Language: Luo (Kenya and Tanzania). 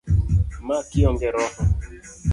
Ma kionge roho?